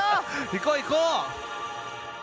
行こう行こう！